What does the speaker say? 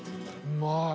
うまい。